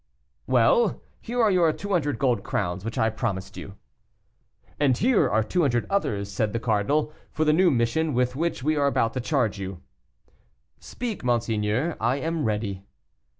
"Well; here are your 200 gold crowns which I promised you." "And here are 200 others," said the cardinal, "for the new mission with which we are about to charge you." "Speak, monseigneur, I am ready."